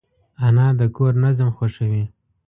انا د کور نظم خوښوي